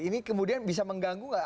ini kemudian bisa mengganggu nggak